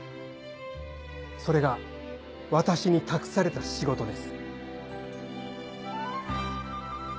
それが私に託された仕事です。